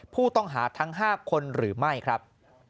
ผู้ต้องหาทั้ง๕คนหรือไม่ครับ